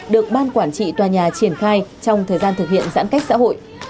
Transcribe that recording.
được ban quản trị tòa nhà triển khai trong thời gian thực hiện giãn cách xã hội